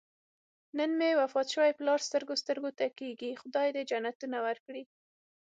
نن مې وفات شوی پلار سترګو سترګو ته کېږي. خدای دې جنتونه ورکړي.